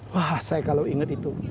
wah saya kalau inget itu